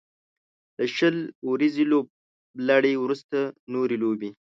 له شل اوريزې لوبلړۍ وروسته نورې لوبې